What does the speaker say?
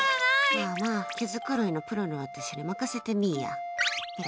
まあまあ毛づくろいのプロの私に任せてみいや。